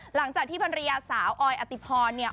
หลังจากที่ภันรยาสาวออยอติพร